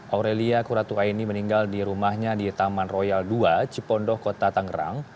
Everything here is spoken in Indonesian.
aurelia kuratu aini meninggal di rumahnya di taman royal dua cipondoh kota tanggerang